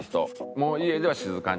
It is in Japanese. もう家では静かに？